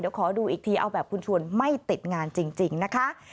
เดี๋ยวขอดูอีกทีเอาแบบคุณชวนไม่ติดงานจริงนะคะ